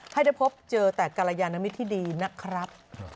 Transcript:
ให้ได้พบเจอแต่กรยานมิตรที่ดีนะครับ